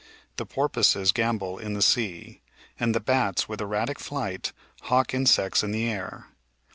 The porpoises gambol in the sea, and the bats with erratic flight hawk insects in the air.'